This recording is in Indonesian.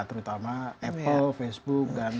terutama apple facebook dan